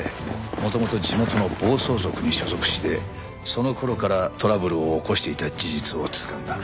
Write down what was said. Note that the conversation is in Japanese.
元々地元の暴走族に所属してその頃からトラブルを起こしていた事実をつかんだ。